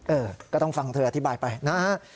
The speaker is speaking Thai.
เออก็ต้องฟังเธออธิบายไปนะฮะ